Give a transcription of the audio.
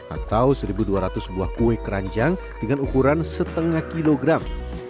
atau satu dua ratus buah kue keranjang dengan ukuran setengah kilogram